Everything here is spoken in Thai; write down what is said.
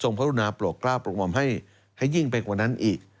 ทรงพระรุณาโปรดเริ่มมาให้ยิ่งไปกว่านั้นอีก